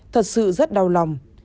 thật sự rất đau lòng